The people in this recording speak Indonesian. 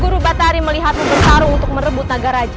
guru batari melihatmu bersarung untuk merebut naga raja